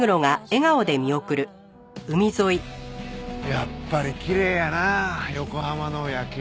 やっぱりきれいやなあ横浜の夜景は。